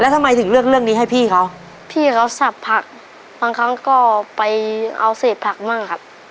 ทำไมถึงเลือกเรื่องนี้ให้พี่เขาพี่เขาสับผักบางครั้งก็ไปเอาเศษผักมั่งครับ